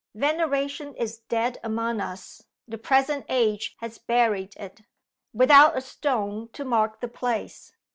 Veneration is dead among us; the present age has buried it, without a stone to mark the place.